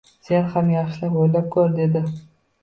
Sen ham yaxshilab o`ylab ko`r, dedi